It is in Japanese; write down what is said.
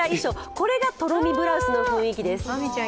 これがとろみブラウスの雰囲気です。